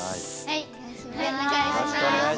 よろしくお願いします。